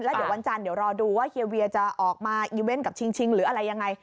เดี๋ยววันจันทร์รอดูว่าพี่เวียจะออกมาอีเวนต์กับชิงหรืออะไรยังไง